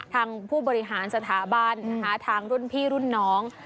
ทางผู้บริหารสถาบันนะคะทางรุ่นพี่รุ่นน้อง